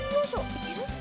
いける？